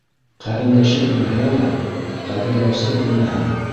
Ҡәрендәшең үлһә лә, ҡәҙерләүсең үлмәһен.